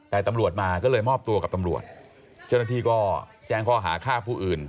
แต่ตำรวจมาก็เลยมอบตัวกับตำรวจเจ้าหน้าที่ก็แจ้งข้อหาฆ่าผู้อื่น